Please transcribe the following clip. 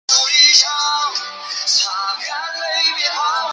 还有斑蝥，倘若用手指按住它的脊梁，便会啪的一声，从后窍喷出一阵烟雾